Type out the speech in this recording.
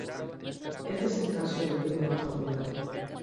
Este es el caso del vídeo bajo demanda.